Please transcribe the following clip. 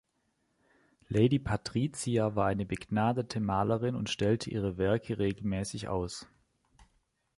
Lady Patricia war eine begnadete Malerin und stellte ihre Werke regelmäßig aus.